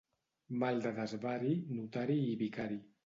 Mal de desvari, notari i vicari.